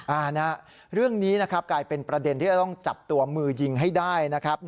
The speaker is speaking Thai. อันนี้เรื่องนี้นะครับกลายเป็นประเด็นที่จะต้องจับตัวมือยิงให้ได้นะครับ